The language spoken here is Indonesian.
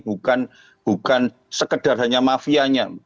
bukan sekedar hanya mafianya